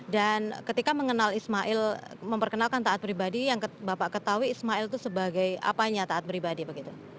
dan ketika mengenal ismail memperkenalkan taat pribadi yang bapak ketahui ismail itu sebagai apanya taat pribadi begitu